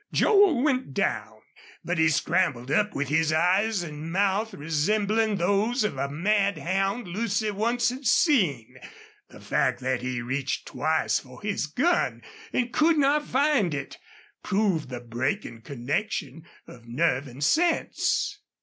Joel went down. But he scrambled up with his eyes and mouth resembling those of a mad hound Lucy once had seen. The fact that he reached twice for his gun and could not find it proved the breaking connection of nerve and sense.